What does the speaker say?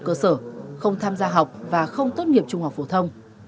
cơ sở không tham gia học và không tốt nghiệp trung học phổ thông